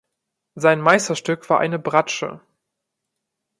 Sein Meisterstück war eine Bratsche.